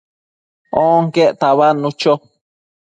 onquec tabadnu cho